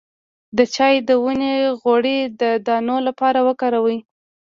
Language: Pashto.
د چای د ونې غوړي د دانو لپاره وکاروئ